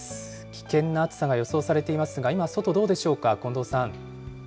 危険な暑さが予想されていますが、今、外どうでしょうか、近藤さん。